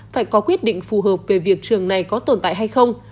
phải có quyết định phù hợp về việc trường này có tồn tại hay không